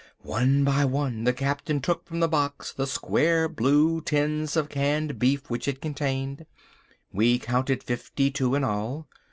One by one the Captain took from the box the square blue tins of canned beef which it contained. We counted fifty two in all.